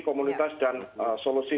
komunitas dan solusi